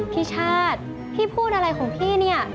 พี่ชาติพี่พูดอะไรของพี่เนี่ย